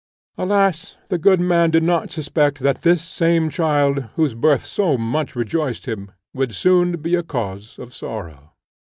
Alas! the good man did not suspect that this same child, whose birth so much rejoiced him, would soon be a cause of sorrow.